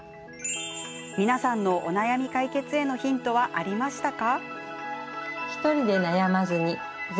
皆さんのお悩み解決へのヒントはありましたか？